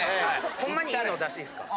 ホンマにいいの出していいですか？